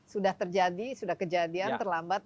sudah terjadi sudah kejadian terlambat